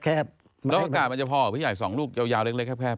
แล้วอากาศมันจะพอเหรอผู้ใหญ่๒ลูกยาวเล็กแคบ